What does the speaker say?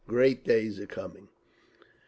Great days are coming….